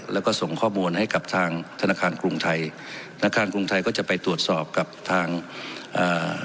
แล้วก็ส่งข้อมูลให้กับทางธนาคารกรุงไทยธนาคารกรุงไทยก็จะไปตรวจสอบกับทางอ่า